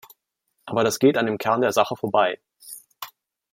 Aber das geht an dem Kern der Sache vorbei.